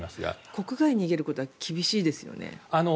国外に逃げることは厳しいですよね。